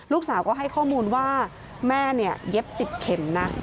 ลูกสาวก็ให้ข้อมูลว่าแม่เนี่ยเย็บ๑๐เข็มนะ